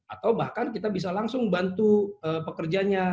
atau bahkan kita bisa langsung bantu pekerjanya